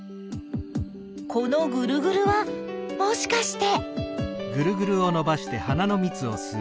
このぐるぐるはもしかして？